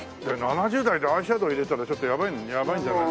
７０代でアイシャドー入れたらちょっとやばいんじゃない？